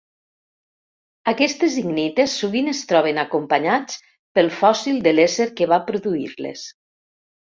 Aquestes icnites sovint es troben acompanyats pel fòssil de l'ésser que va produir-les.